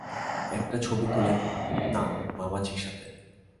একটা ছবি তুলে নাও মামাজির সাথে।